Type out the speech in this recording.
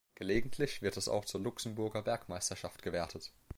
Gelegentlich wird es auch zur Luxemburger Bergmeisterschaft gewertet.